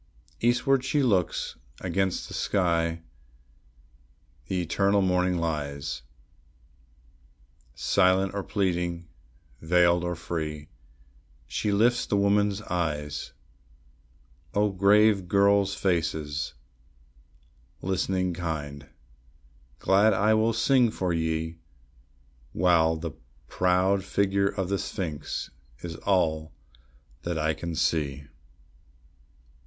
Eastward she looks; against the sky the eternal morning lies; Silent or pleading, veiled or free, she lifts the woman's eyes. O grave girls' faces, listening kind! glad will I sing for ye, While the proud figure of the sphinx is all that I can see.